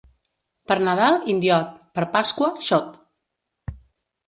Per Nadal, indiot; per Pasqua, xot.